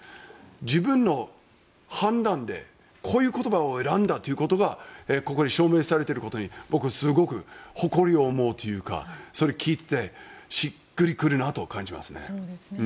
自分の判断で、こういう言葉を選んだということがここに証明されることにすごく誇りというかそれを聞いててしっくり来るなと思いますね。